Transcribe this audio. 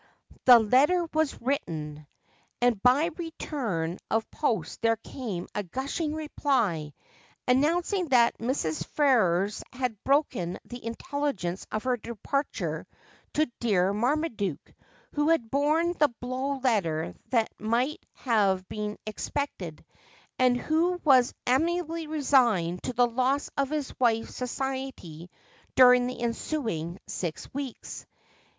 The letter was written, and by return of post there came a gushing reply, announcing that Mrs. Ferrers had broken the intelligence of her departure to dear Marmaduke, who had borne the blow better than might have been expected, and who was amiably resigned to the loss of his wife's society during the ensuing six weeks.